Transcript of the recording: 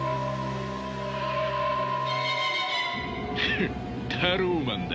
フッタローマンだ。